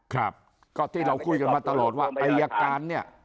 ครับก็ที่เราคุยกันมาตลอดว่าอายการเนี่ย